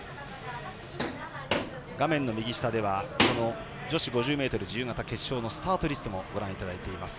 画面右下では女子５０ｍ自由形決勝のスタートリストもご覧いただいています。